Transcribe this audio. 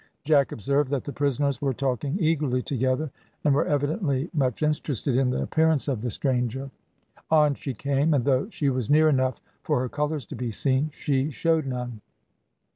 Jack observed that the prisoners were talking eagerly together, and were evidently much interested in the appearance of the stranger. On she came, and though she was near enough for her colours to be seen she showed none.